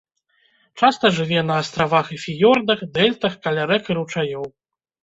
Часта жыве на астравах і фіёрдах, дэльтах, каля рэк і ручаёў.